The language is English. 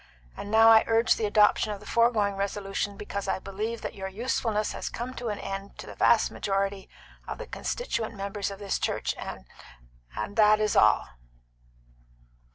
And I now urge the adoption of the foregoing resolution because I believe that your usefulness has come to an end to the vast majority of the constituent members of this church; and and that is all."